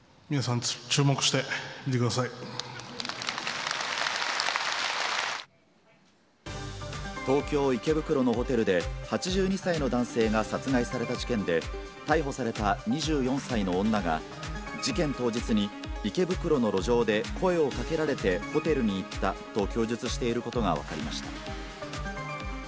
皆さん、東京・池袋のホテルで、８２歳の男性が殺害された事件で、逮捕された２４歳の女が、事件当日に、池袋の路上で声をかけられてホテルに行ったと供述していることが分かりました。